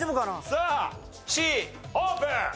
さあＣオープン！